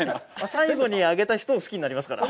最後にあげた人を好きになりますから。